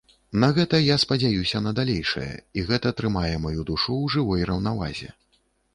На гэта я спадзяюся на далейшае, і гэта трымае маю душу ў жывой раўнавазе.